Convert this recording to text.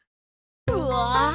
うわ！